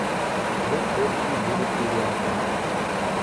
Мы общей лирики лента.